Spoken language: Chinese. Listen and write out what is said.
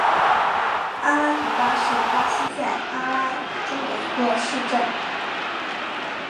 阿拉图巴是巴西塞阿拉州的一个市镇。